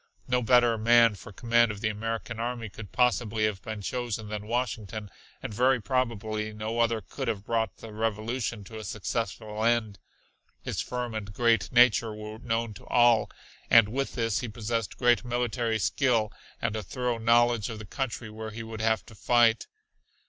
No better man for command of the American army could possibly have been chosen than Washington, and very probably no other could have brought the revolution to a successful end. His firm and great nature were known to all, and with this he possessed great military skill and a thorough knowledge of the country where he would have to fight.